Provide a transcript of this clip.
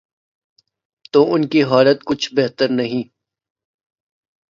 تو ان کی حالت کچھ بہتر نہیں۔